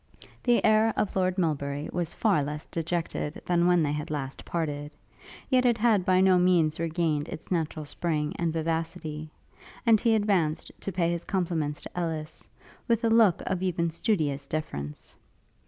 The air of Lord Melbury was far less dejected than when they had last parted; yet it had by no means regained its natural spring and vivacity; and he advanced to pay his compliments to Ellis, with a look of even studious deference.